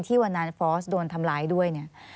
ที่วันนั้นฟอร์สโดนทำร้ายด้วย